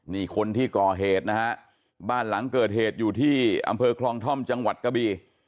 นี่คนที่ก่อเหตุนะฮะบ้านหลังเกิดเหตุอยู่ที่อำเภอคลองท่อมจังหวัดกะบี